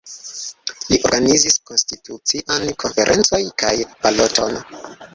Li organizis konstitucian konferencoj kaj baloton.